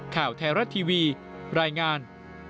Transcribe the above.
ข่าวไทยรัฐทีวีรายงาน